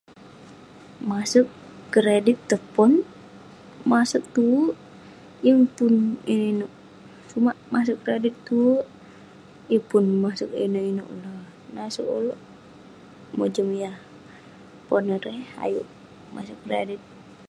Masek kredit tong pon, masek tuwerk..yeng pun inouk inouk, sumak masek kredit tuwerk..yeng pun masek inouk inouk la, nasek ulouk, mojem yah pon erei ayuk masek kredit..